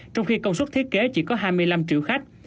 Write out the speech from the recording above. trong khi công suất thiết kế chỉ có hai mươi năm triệu khách